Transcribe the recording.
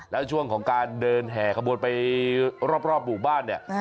แล้วช่วงของการเดินแห่ขบวนไปรอบหมู่บ้านเนี่ย